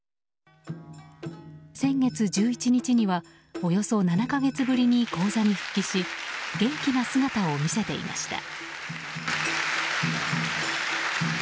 先月１１日にはおよそ７か月ぶりに高座に復帰し元気な姿を見せていました。